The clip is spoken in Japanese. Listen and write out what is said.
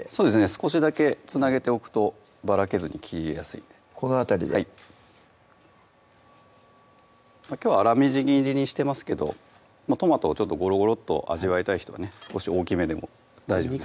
少しだけつなげておくとばらけずに切りやすいんでこの辺りではいきょうは粗みじん切りにしてますけどトマトをゴロゴロッと味わいたい人はね少し大きめでも大丈夫です